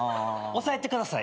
抑えてください。